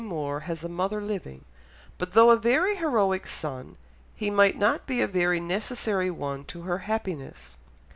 Moore has a mother living, but though a very heroic son, he might not be a very necessary one to her happiness....